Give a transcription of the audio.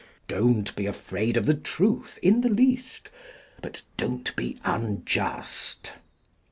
Don't be afraid of the Truth, in the least ; but don't be unjust.